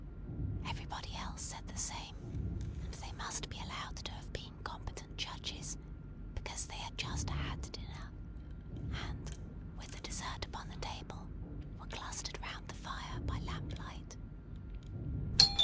Everybody else said the same, and they must be allowed to have been competent judges, because they had just had dinner; and, with the dessert upon the table, were clustered round the fire, by lamplight.